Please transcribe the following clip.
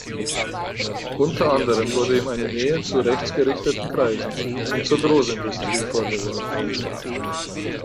Unter anderem wurde ihm eine Nähe zu rechtsgerichteten Kreisen und zur Großindustrie vorgeworfen.